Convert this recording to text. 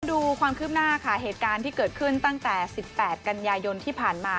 ดูความคืบหน้าค่ะเหตุการณ์ที่เกิดขึ้นตั้งแต่๑๘กันยายนที่ผ่านมา